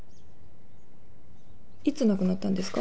いつ亡くなったんですか？